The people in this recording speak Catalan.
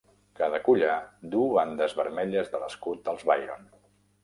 Cada collar duu bandes vermelles de l'escut dels Byron.